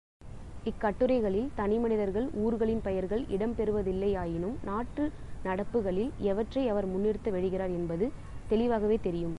இக்கட்டுரைகளில் தனிமனிதர்கள், ஊர்களின் பெயர்கள் இடம்பெறுவதில்லையாயினும் நாட்டு நடப்புகளில் எவற்றை அவர் முன்னிறுத்த விழைகிறார் என்பது தெளிவாகவே தெரியும்.